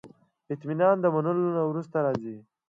اطمینان د منلو نه وروسته راځي.